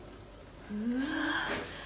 うわ。